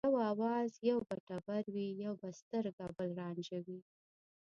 یو آواز یو به ټبر وي یو به سترګه بل رانجه وي